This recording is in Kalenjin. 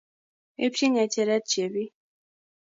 ipchin ng'echeret chepi